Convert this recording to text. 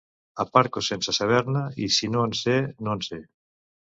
Aparco sense saber-ne, i si no en sé no en sé.